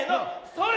それ！